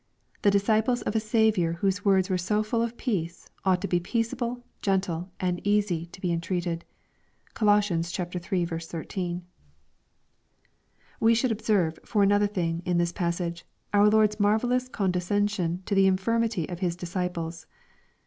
The disciples of a Saviour whose words were so full of peace, ought to be peaceiable, gen tle, and easy to be entreated. (Coloss. iii. 13.) We should observe, for another thing, in this passage, our Lord's marvellous condescension to the inJirmUy of His disciples.